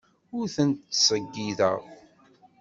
Ur tent-ttṣeyyideɣ.